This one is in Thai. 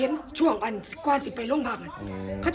อันดับสุดท้ายก็คืออันดับสุดท้าย